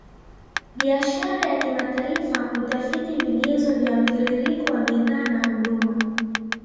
Biashara ya kimataifa hutafiti vigezo vya mtiririko wa bidhaa na huduma